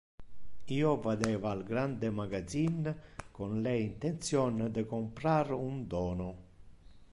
Io vadeva al grande magazin con le intention de comprar un dono.